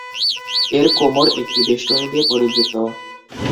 এর কোমর একটি বেষ্টনী দিয়ে পরিবৃত।